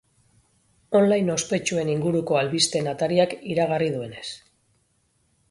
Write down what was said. Online ospetsuen inguruko albisteen atariak iragarri duenez.